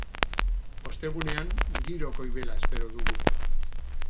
Ostegunean giro goibela espero dugu.